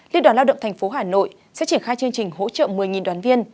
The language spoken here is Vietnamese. liên đoàn lao động tp hà nội sẽ triển khai chương trình hỗ trợ một mươi đoàn viên